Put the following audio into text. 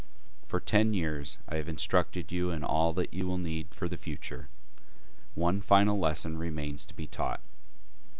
For ten years I have instructed you in all that you will need for the future. One final lesson remains to be taught.